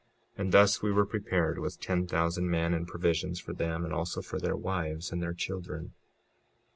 And thus we were prepared with ten thousand men, and provisions for them, and also for their wives and their children.